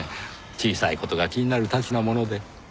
小さい事が気になるたちなもので。